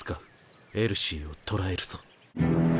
エルシーを捕らえるぞ。